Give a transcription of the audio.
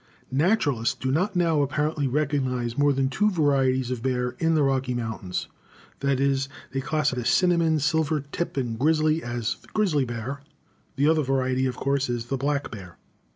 Naturalists do not now apparently recognize more than two varieties of bear in the Rocky Mountains; that is, they class the cinnamon, silver tip, and grizzly as grizzly bear. The other variety, of course, is the black bear.